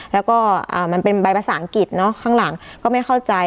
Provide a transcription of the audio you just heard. แล้วก็เป็นใบประสานกิจข้างหลังก็ไม่เข้าใจ